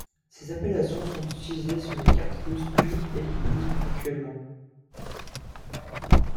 Ces appellations sont utilisées sur les cartes russes du et plus actuellement.